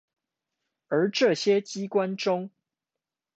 而這些機關中